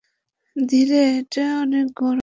ধীরে, এটা অনেক গরম।